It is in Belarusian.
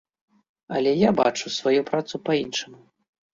Але я бачу сваю працу па-іншаму.